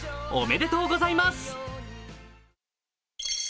おめでとうございます！